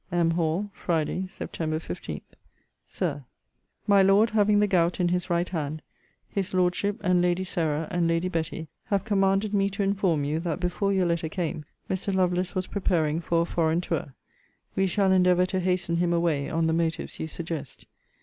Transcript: M. HALL, FRIDAY, SEPT. 15. SIR, My Lord having the gout in his right hand, his Lordship, and Lady Sarah, and Lady Betty, have commanded me to inform you, that, before your letter came, Mr. Lovelace was preparing for a foreign tour. We shall endeavour to hasten him away on the motives you suggest.